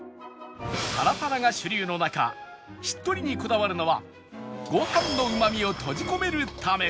パラパラが主流の中しっとりにこだわるのはご飯のうまみを閉じ込めるため